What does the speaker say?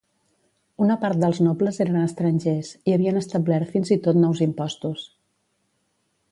Una part dels nobles eren estrangers, i havien establert fins i tot nous impostos.